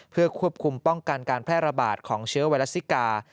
เพื่อควบคุมป้องกันการแพร่ระบาดของเชื้อไวรัสซิกา